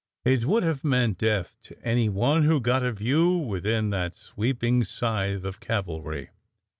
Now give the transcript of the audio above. It would have meant death to any one who got a view within that sweeping scythe of cavalry.